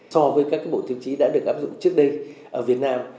so với các bộ tiêu chí đã được áp dụng trước đây ở việt nam